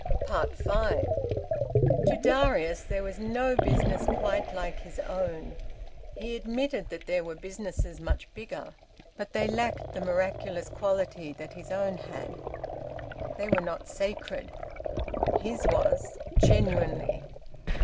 FIVE. To Darius there was no business quite like his own. He admitted that there were businesses much bigger, but they lacked the miraculous quality that his own had. They were not sacred. His was, genuinely.